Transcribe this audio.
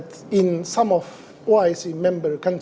di beberapa negara member oic